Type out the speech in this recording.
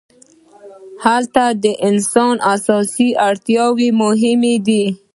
هلته د انسان اساسي اړتیاوې مهمې دي.